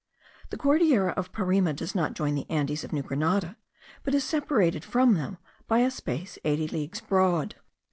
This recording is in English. The Cordillera of Parime does not join the Andes of New Grenada, but is separated from them by a space eighty leagues broad.